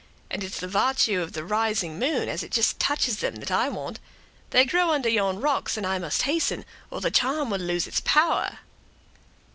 And it's the vartue of the rising moon, as it jist touches them, that I want. They grow under yon rocks, and I must hasten, or the charm will lose its power."